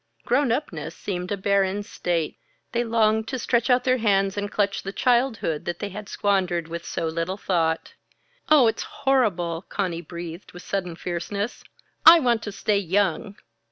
Grown upness seemed a barren state. They longed to stretch out their hands and clutch the childhood that they had squandered with so little thought. "Oh, it's horrible!" Conny breathed with sudden fierceness. "_I want to stay young!